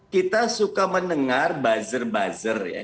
kita suka mendengar buzzer buzzer ya